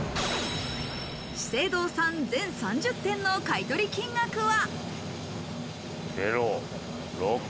司生堂さん、全３０点の買取金額は。